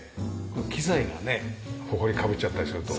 機材がねホコリかぶっちゃったりすると。